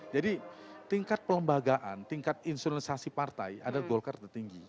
jadi tingkat pelembagaan tingkat insuransasi partai adalah golkar tertinggi